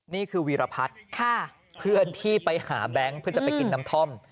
นี่คือวีรพัฒน์เพื่อนที่ไปหาแบงค์เพื่อจะไปกินน้ำท่อม